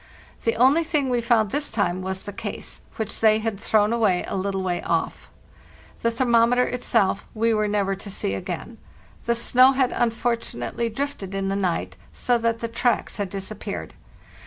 The only thing we found this time was the case, which they had thrown away a little way off. The thermom eter itself we were never to see again; the snow had unfortunately drifted in the night, so that the tracks had disappeared.